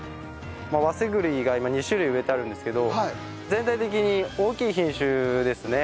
まあ早生栗が今２種類植えてあるんですけど全体的に大きい品種ですね。